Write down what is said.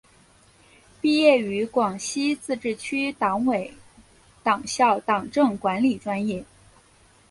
毕业于广西自治区党委党校党政管理专业。